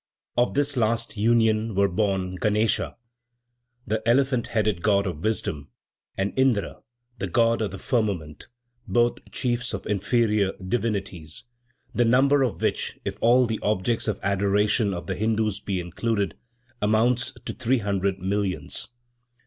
Of this last union were born, Ganesa, the elephant headed god of wisdom, and Indra, the god of the firmament, both chiefs of inferior divinities, the number of which, if all the objects of adoration of the Hindus be included, amounts to three hundred millions.